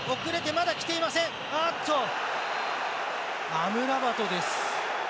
アムラバトです。